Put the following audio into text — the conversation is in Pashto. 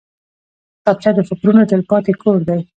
کتابچه د فکرونو تلپاتې کور دی